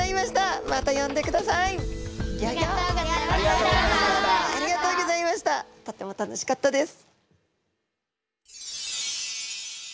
とっても楽しかったです！